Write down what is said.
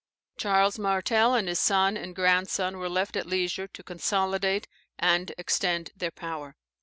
Charles Martel, and his son and grandson, were left at leisure to consolidate and extend their power.